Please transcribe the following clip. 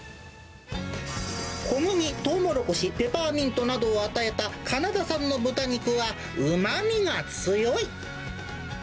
小麦、トウモロコシ、ペパーミントなどを与えたカナダ産の豚肉はうまみが強い。